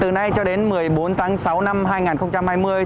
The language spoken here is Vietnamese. từ nay cho đến một mươi bốn tháng sáu năm hai nghìn hai mươi